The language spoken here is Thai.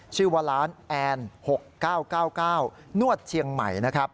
ชื่อว่าล้านแอร์น๖๙๙๙นวดเชียงใหม่